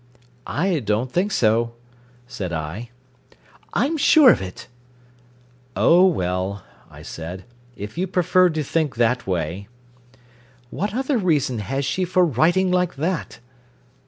"I don't think so," said I. "I'm sure of it." "Oh well," I said "if you prefer to think that way." "What other reason has she for writing like that